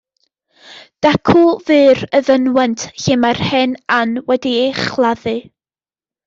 Dacw fur y fynwent lle mae'r hen Ann wedi ei chladdu.